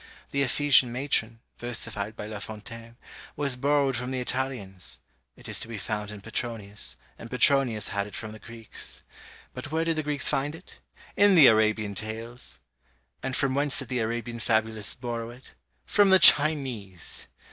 The Ephesian Matron, versified by La Fontaine, was borrowed from the Italians; it is to be found in Petronius, and Petronius had it from the Greeks. But where did the Greeks find it? In the Arabian Tales! And from whence did the Arabian fabulists borrow it? From the Chinese!